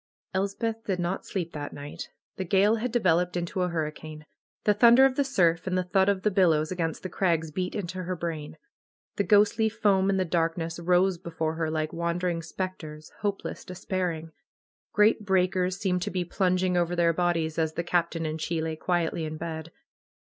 Elsepth did not sleep that night. The gale had de veloped into a hurricane. The thunder of the surf and the thud of the billows against the crags beat into her brain. The ghostly foam, in the darkness, rose before her, like wandering spectres, hopeless, despair ing. Great breakers seemed to be plunging over their bodies, as the Captain and she lay quietly in bed.